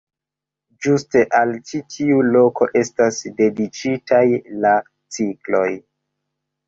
Ĝuste al ĉi tiu loko estas dediĉitaj la cikloj.